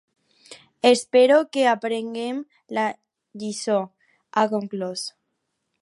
“Espero que aprenguem la lliçó”, ha conclòs.